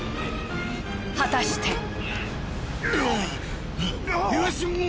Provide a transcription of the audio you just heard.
果たして。